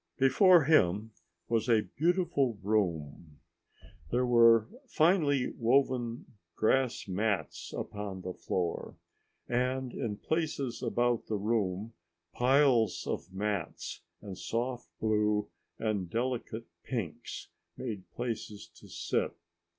Before him was a beautiful room. There were finely woven grass mats upon the floor, and in places about the room piles of mats of soft blue and delicate pinks made places to sit.